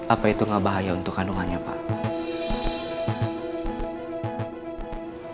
apa itu nggak bahaya untuk kandungannya pak